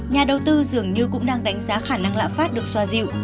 nhà đầu tư dường như cũng đang đánh giá khả năng lạm phát được xoa dịu